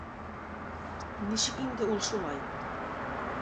Ничек инде ул шулай?